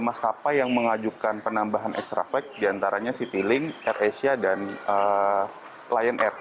maskapai yang mengajukan penambahan extra flight diantaranya citylink air asia dan lion air